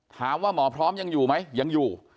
ถามว่าหมอพร้อมยังอยู่ไหมยังอยู่